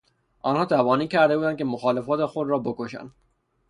آنها تبانی کرده بودند که مخالفان خود را بکشند.